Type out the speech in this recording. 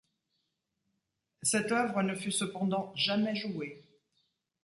Cette œuvre ne fut cependant jamais jouée.